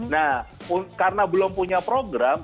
nah karena belum punya program